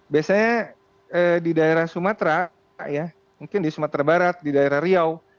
biasanya di daerah sumatera mungkin di sumatera barat di daerah riau